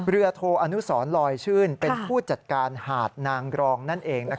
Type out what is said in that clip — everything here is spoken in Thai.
โทอนุสรลอยชื่นเป็นผู้จัดการหาดนางกรองนั่นเอง